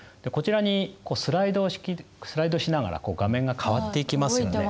こちらにスライドしながら画面が変わっていきますよね。